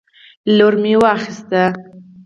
لور مې واخیست